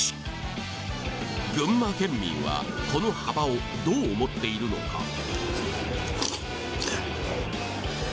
群馬県民はこの幅をどう思っているのか？